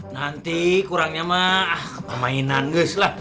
nanti kurangnya mah pemainan ges lah